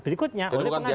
berikutnya oleh pengantinan